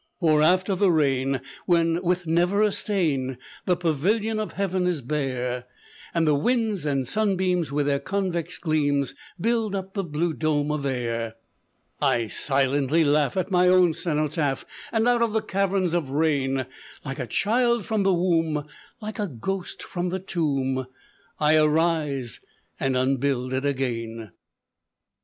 For after the rain, when with never a stain The pavilion of heaven is bare, And the winds and sunbeams with their convex gleams, Build up the blue dome of air, I silently laugh at my own cenotaph, And out of the caverns of rain, Like a child from the womb, like a ghost from the tomb, I arise and unbuild it again."